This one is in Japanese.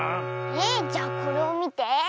えっじゃこれをみて！